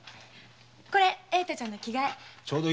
これ栄太さんの着替え。